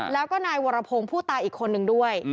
แล้วก็นายวรพงศ์ผู้ตายอีกคนนึงด้วย